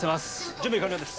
準備完了です。